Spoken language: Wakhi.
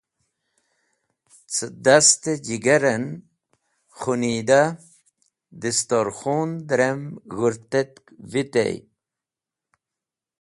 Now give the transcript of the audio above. Cẽ dast-e jigar en khunidah. Distorkhun drem g̃hũrtetk vitey.